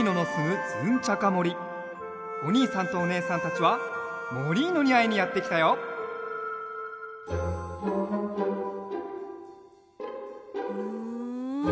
おにいさんとおねえさんたちはモリーノにあいにやってきたよん？